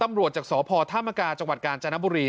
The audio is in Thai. ตำรวจจากสพธามกาจังหวัดกาญจนบุรี